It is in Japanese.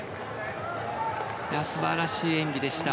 素晴らしい演技でした。